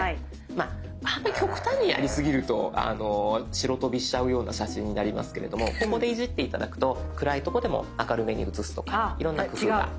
まああんまり極端にやりすぎると白飛びしちゃうような写真になりますけれどもここでいじって頂くと暗いとこでも明るめに写すとかいろんな工夫が。